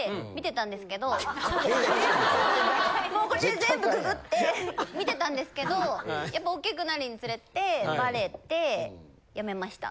もうこっちで全部ググって見てたんですけどやっぱ大きくなるにつれてバレてやめました。